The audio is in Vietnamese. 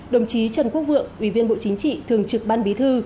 đồng chí trần quốc vượng ủy viên bộ chính trị thường trực ban bí thư